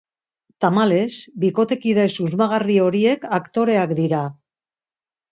Tamalez, bikotekide susmagarri horiek aktoreak dira.